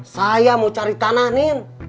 saya mau cari tanah nin